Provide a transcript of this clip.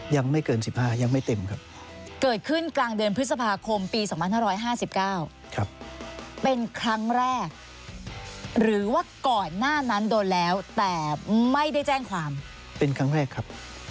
ยังไม่เกิน๑๕ยังไม่เต็มครับเกิดขึ้นกลางเดือนพฤษภาคมปี๒๕๕๙เป็นครั้งแรกหรือว่าก่อนหน้านั้นโดนแล้วแต่ไม่ได้แจ้งความเป็นครั้งแรกครับ